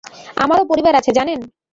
আমারও পরিবার আছে, জানেন।